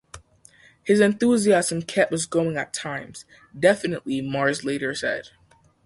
"His enthusiasm kept us going at times, definitely," Mars later said.